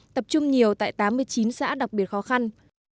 tập trung nhiều tại tám mươi chín xã đặc biệt khó khăn